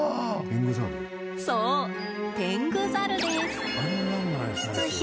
そう、テングザルです！